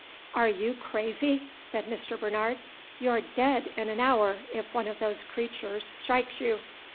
"Are you crazy?" said Mr. Bernard. "You're dead in an hour, if one of those creatures strikes you!"